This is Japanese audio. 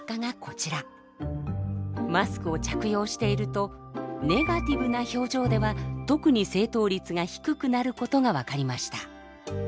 マスクを着用しているとネガティブな表情では特に正答率が低くなることが分かりました。